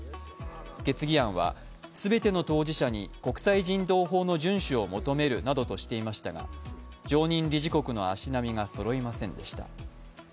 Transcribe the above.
決議案は全ての当事者に国際人道法の順守を求めるなどとしていましたが常任理事国の足並みがそろいませんでした。